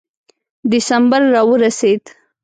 ډسمبر را ورسېد.